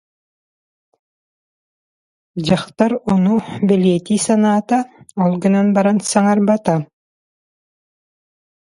Дьахтар ону бэлиэтии санаата, ол гынан баран саҥарбата